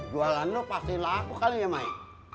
jualan lo pasti laku kali ya mai